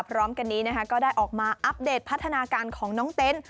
พร้อมกันนี้นะคะก็ได้ออกมาอัปเดตพัฒนาการของน้องเต็นต์